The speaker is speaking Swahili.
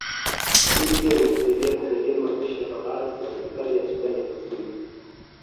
Hii pia ilisaidia kusaidia majeshi ya waasi wa serikali ya Sudani ya Kusini